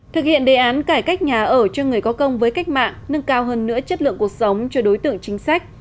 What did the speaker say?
thực hiện đề án cải cách nhà ở cho người có công với cách mạng nâng cao hơn nữa chất lượng cuộc sống cho đối tượng chính sách